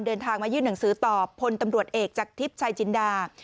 เดินทางมายื่นหนังสือต่อพลตำรวจเอกจากทิพย์ชายจินดา